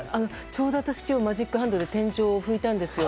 ちょうど私、マジックハンドで天井を拭いたんですよ。